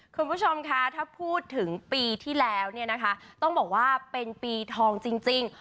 คุณผู้ชมคะถ้าพูดถึงปีที่แล้วเนี่ยนะคะต้องบอกว่าเป็นปีทองจริง